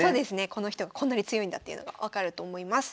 この人がこんなに強いんだっていうのが分かると思います。